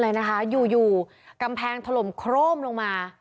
เลยนะคะอยู่อยู่กำแพงถล่มโคร่มลงมา